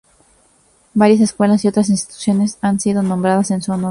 Varias escuelas y otras instituciones han sido nombradas en su honor.